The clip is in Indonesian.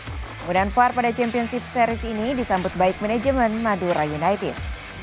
kemudian var pada championship series ini disambut baik manajemen madura united